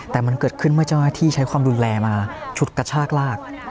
แต่มันเกิดขึ้นเมื่อเจ้าหน้าที่ใช้ความรุนแรงมาฉุดกระชากลาก